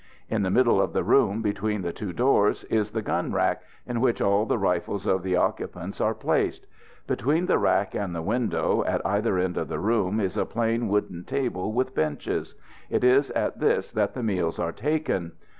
In the middle of the room, between the two doors, is the gun rack in which all the rifles of the occupants are placed. Between the rack and the window, at either end of the room, is a plain wooden table with benches; it is at this that the meals are taken.